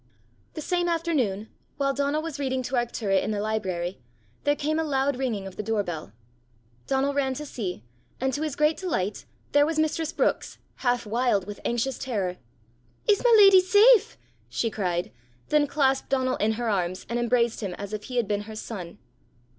The same afternoon, while Donal was reading to Arctura in the library, there came a loud ringing of the door bell. Donal ran to see, and to his great delight, there was mistress Brookes, half wild with anxious terror. "Is my leddy safe?" she cried then clasped Donal in her arms and embraced him as if he had been her son.